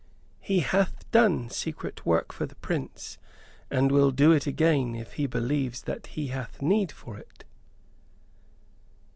He hath done secret work for the Prince, and will do it again if he believes that he hath need for it."